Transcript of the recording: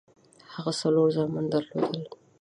هغه څلور زامن درلودل.